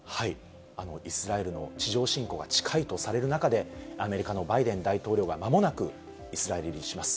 イスラエルの地上侵攻が近いとされる中で、アメリカのバイデン大統領はまもなく、イスラエル入りします。